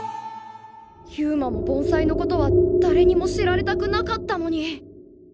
勇馬も盆栽のことはだれにも知られたくなかったのに。